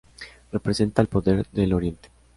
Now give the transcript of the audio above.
Representa al poder del Oriente.